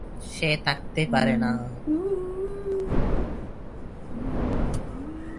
ভোলানোই যার কাজ নিজেকেও না ভুলিয়ে সে থাকতে পারে না।